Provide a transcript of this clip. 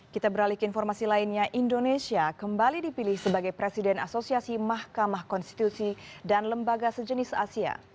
kita beralih ke informasi lainnya indonesia kembali dipilih sebagai presiden asosiasi mahkamah konstitusi dan lembaga sejenis asia